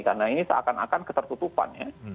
karena ini seakan akan ketersutupan ya